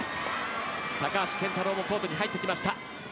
高橋健太郎もコートに入ってきました。